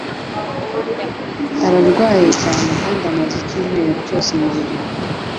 Ararwaye cyane kandi amaze icyumweru cyose mu buriri